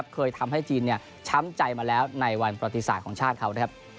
เคยทำให้จีนช้ำใจมาแล้วในวันปฏิษฐาของชาติเขา